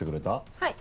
はい。